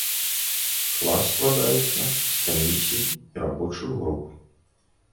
Клас складаецца з камісій і рабочых груп.